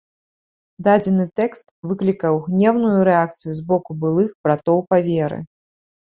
Дадзены тэкст выклікаў гнеўную рэакцыю з боку былых братоў па веры.